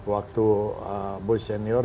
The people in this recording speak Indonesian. waktu bush senior